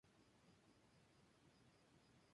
Las Casas Muestra se construyeron para publicidad y venta.